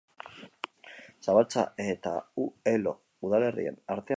Zabaltza eta Elo udalerrien artean dago.